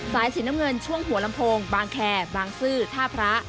สายสีน้ำเงินช่วงหัวลำโพงบางแคร์บางซื่อท่าพระ